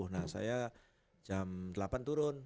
nah saya jam delapan turun